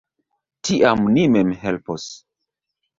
Tiam ni mem helpos!